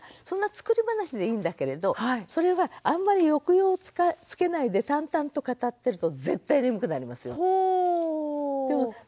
そんな作り話でいいんだけれどそれがあんまり抑揚をつけないで淡々と語ってると絶対眠くなりますよ。